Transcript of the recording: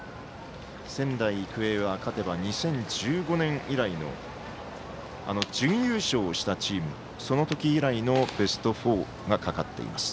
仙台育英は勝てば２０１５年以来の準優勝したチームそのとき以来のベスト４がかかっています。